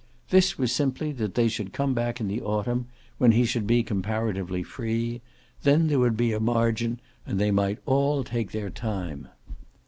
This was simply that they should come back in the autumn, when he should be comparatively free: then there would be a margin and they might all take their time.